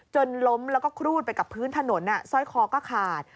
จนล้มแล้วก็ครูดไปกับพื้นถนนสร้อยคอก็ขาด